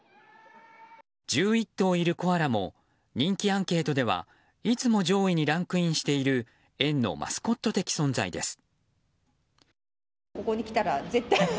１１頭もいるコアラも人気アンケートではいつも上位にランクインしている園のマスコット的存在です。